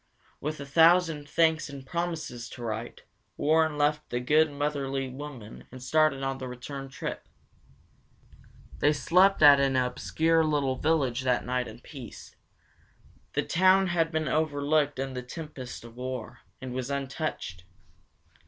With a thousand thanks and promises to write, Warren left the good, motherly woman and started on the return trip. They slept at an obscure little village that night in peace. The town had been overlooked in the tempest of war, and was untouched.